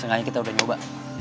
setidaknya kita udah nyoba